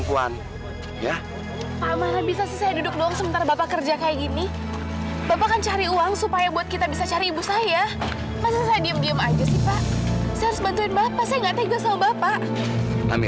untuk mengiru diri